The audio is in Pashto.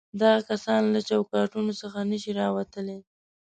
دغه کسان له چوکاټونو څخه نه شي راوتلای.